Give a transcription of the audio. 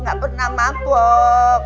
gak pernah mabuk